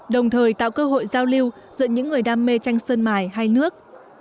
đồng thời tạo cơ hội giao lưu giữa những người đam mê tranh sơn mải hay nước